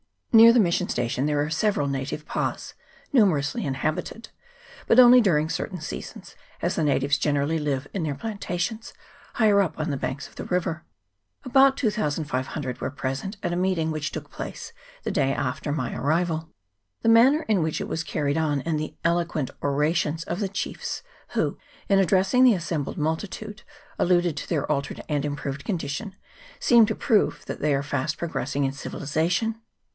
Near the mission station are several native pas, numerously inhabited, but only during certain sea sons, as the natives generally live in their planta tions higher up, on the banks of the river. About 2500 were present at a meeting which took place the day after my arrival ; the manner in which it was carried on, and the eloquent orations of the chiefs, who, in addressing the assembled multitude, alluded to their altered and improved condition, seemed to prove that they are fast progressing in civilization.